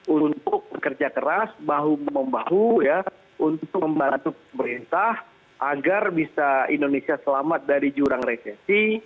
untuk bekerja keras bahu membahu ya untuk membantu pemerintah agar bisa indonesia selamat dari jurang resesi